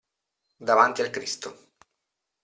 Davanti al Cristo.